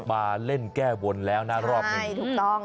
มาเล่นแก้บนแล้วนะรอบหนึ่ง